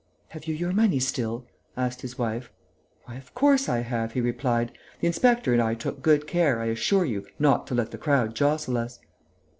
"Have you your money still?" asked his wife. "Why, of course I have!" he replied. "The inspector and I took good care, I assure you, not to let the crowd jostle us."